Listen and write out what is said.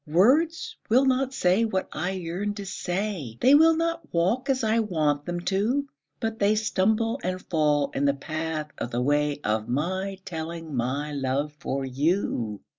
Words will not say what I yearn to say They will not walk as I want them to, But they stumble and fall in the path of the way Of my telling my love for you.